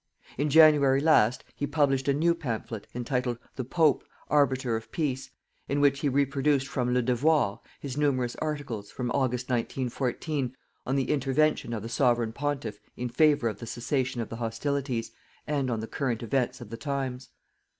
In January last, he published a new pamphlet, entitled "THE POPE, ARBITER OF PEACE," in which he reproduced from "Le Devoir" his numerous articles, from August 1914, on the intervention of the Sovereign Pontiff in favour of the cessation of the hostilities, and on the current events of the times.